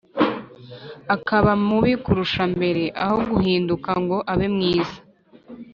akaba mubi kurusha mbere aho guhinduka ngo abe mwiza.